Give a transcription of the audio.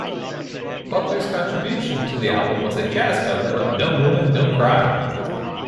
Butler's contribution to the album was a jazz cover of No Woman No Cry.